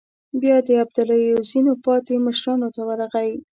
بيا د ابداليو ځينو پاتې مشرانو ته ورغی.